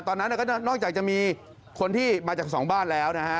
ตอนนั้นก็นอกจากจะมีคนที่มาจากสองบ้านแล้วนะฮะ